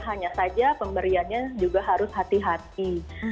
hanya saja pemberiannya juga harus hati hati